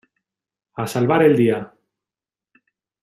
A salvar el día.